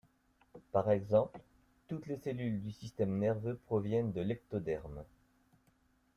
Par exemple, toutes les cellules du système nerveux proviennent de l'ectoderme.